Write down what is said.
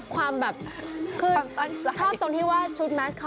คือดีมาก